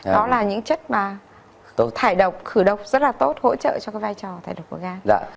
đó là những chất mà thải độc khử độc rất là tốt hỗ trợ cho cái vai trò thải độc của ga đó